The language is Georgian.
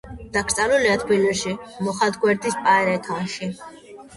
დაკრძალულია თბილისში, მუხათგვერდის პანთეონში.